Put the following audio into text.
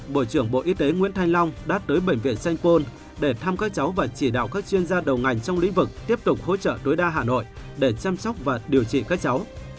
bộ trưởng nguyễn thanh long đã tới bệnh viện sanh cuôn để thăm các cháu và chỉ đạo các chuyên gia đầu ngành trong lĩnh vực tiếp tục hỗ trợ đối đa hà nội để chăm sóc và điều trị các cháu